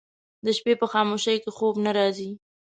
د شپې په خاموشۍ کې خوب نه راځي